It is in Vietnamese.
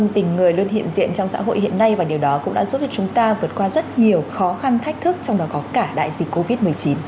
tình người luôn hiện diện trong xã hội hiện nay và điều đó cũng đã giúp cho chúng ta vượt qua rất nhiều khó khăn thách thức trong đó có cả đại dịch covid một mươi chín